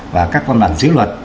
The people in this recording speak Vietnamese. và các văn bản dữ luật